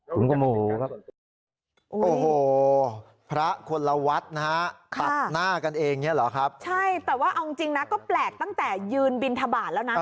ปกติพระท่านก็จะต้องเดินบินทบาทไปเรื่อยใช่ไหม